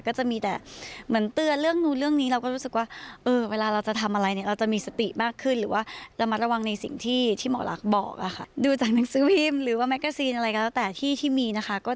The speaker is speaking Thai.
ก็จะมีแต่เหมือนเตือนเรื่องนู้นเรื่องนี้